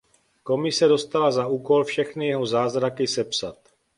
Komise dostala za úkol všechny jeho zázraky sepsat.